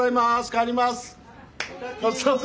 帰ります。